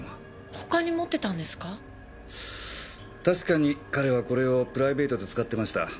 確かに彼はこれをプライベートで使ってました。